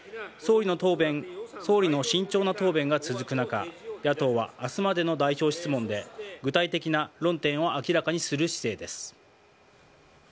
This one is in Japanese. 総理の慎重な答弁が続く中野党は明日までの代表質問で具体的な論点を明らかにする姿勢です。